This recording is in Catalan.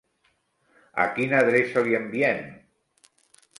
A quina adreça li enviem?